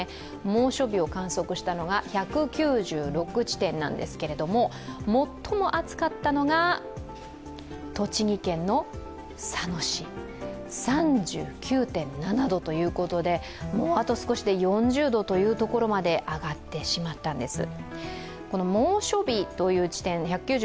猛暑日を観測したのが１９６地点なんですけれども、最も暑かったのが栃木県の佐野市３９．７度ということであと少しで４０度というところまで上がってしまったんです。